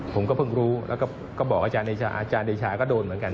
ผมก็เพิ่งรู้แล้วก็บอกอาจารย์เดชาก็โดนเหมือนกัน